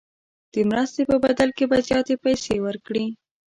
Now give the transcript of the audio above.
د مرستې په بدل کې به زیاتې پیسې ورکړي.